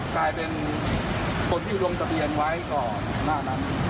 กลายเป็นคนที่ลงทะเบียนไว้ก่อนหน้านั้น